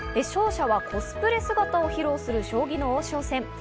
勝者はコスプレ姿を披露する将棋の王将戦。